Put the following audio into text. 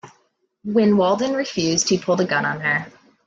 When Walden refused, he pulled a gun on her.